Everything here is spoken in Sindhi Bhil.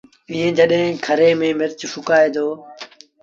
ائيٚݩ جڏهيݩ کري ميݩ مرچ سُڪآئي دو